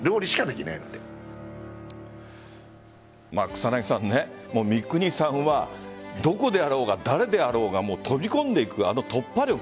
草なぎさん、三國さんはどこであろうが誰であろうが飛び込んでいく、あの突破力。